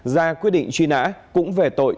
ra quyết định truy nã cũng về tội